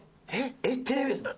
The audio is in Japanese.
「えっ？テレビですか？」。